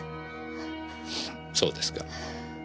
そうですか。